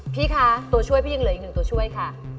พี่คะตัวช่วยพี่ยังเหลืออีกหนึ่งตัวช่วยค่ะ